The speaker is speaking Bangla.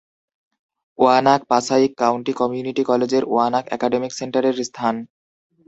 ওয়ানাক পাসাইক কাউন্টি কমিউনিটি কলেজের ওয়ানাক একাডেমিক সেন্টারের স্থান।